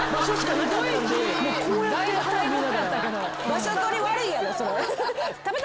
場所取り悪いやろそれ。